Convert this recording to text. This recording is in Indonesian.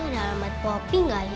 aku mau pergi